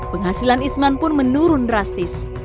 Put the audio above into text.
penghasilan isman pun menurun drastis